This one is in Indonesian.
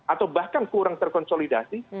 atau bahkan kurang terkonsolidasi